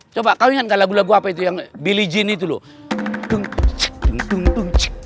coba kau ingat gak lagu lagu apa itu yang biligence itu loh